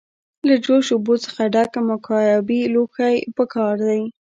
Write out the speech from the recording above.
له جوش اوبو څخه ډک مکعبي لوښی پکار دی.